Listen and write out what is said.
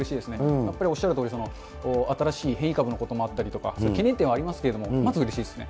やっぱりおっしゃるとおり、新しい変異株のこともあったりとか、懸念点はありますけれども、まずうれしいですね。